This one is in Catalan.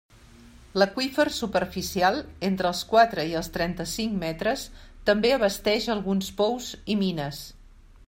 L'aqüífer superficial, entre els quatre i els trenta-cinc metres, també abasteix alguns pous i mines.